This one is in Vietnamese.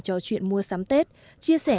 trò chuyện mua sắm tết chia sẻ